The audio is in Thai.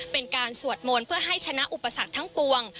เป็นการสวดมนต์เพื่อให้ชนะอุปสรรคทั้งปวง